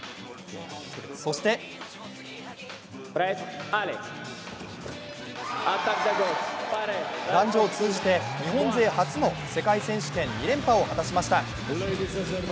そして男女を通じて日本勢初の世界選手権２連覇を果たしました。